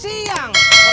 sepung jadi dar kan